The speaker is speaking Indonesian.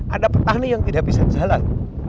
ada petani yang tidak bisa jalan